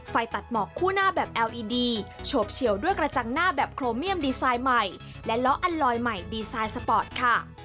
ไฟตัดหมอกคู่หน้าแบบเอลอีดีโฉบเฉียวด้วยกระจังหน้าแบบโครเมียมดีไซน์ใหม่และล้ออันลอยใหม่ดีไซน์สปอร์ตค่ะ